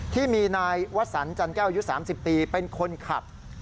ที่มีนายวัสสันจันทร์เกล้ายุทธ์๓๐ปีเป็นคนขัด